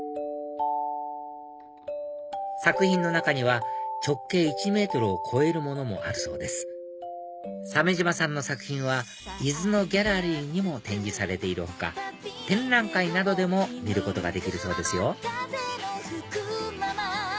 作品の中には直径１ｍを超えるものもあるそうです鮫島さんの作品は伊豆のギャラリーにも展示されている他展覧会などでも見ることができるそうですよ